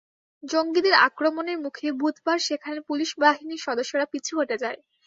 জঙ্গিদের আক্রমণের মুখে বুধবার সেখানে পুলিশ বাহিনীর সদস্যরা পিছু হটে যায়।